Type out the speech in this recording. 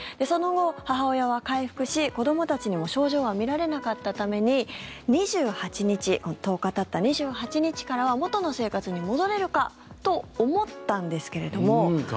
その後、母親は回復し子どもたちにも症状は見られなかったために１０日たった２８日からは元の生活に戻れるかと思ったんですけれども。